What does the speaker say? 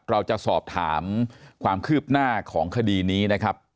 เราจะสอบถามความคืบหน้าของคดีนี้นะครับ